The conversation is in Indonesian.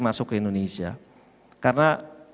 masuk ke indonesia karena